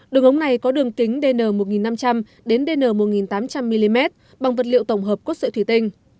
đường ống này có đường kính dn một nghìn năm trăm linh dn một nghìn tám trăm linh mm bằng vật liệu tổng hợp cốt sợi thủy tinh